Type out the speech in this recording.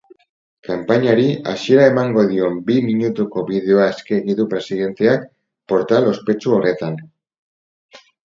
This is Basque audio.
Kanpainari hasiera emango dion bi minutuko bideoa eskegi du presidenteak portal ospetsu horretan.